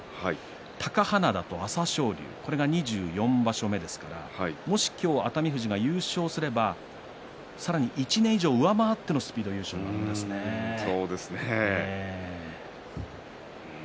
貴花田と朝青龍が２４場所目ですからもし今日、熱海富士が優勝すればさらに１年以上上回ってのそうですね。